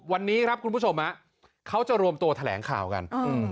วันนี้ครับคุณผู้ชมเขาจะรวมตัวแถลงข่าวกัน